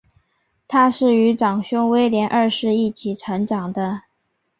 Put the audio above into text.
她是与长兄威廉二世一起成长的。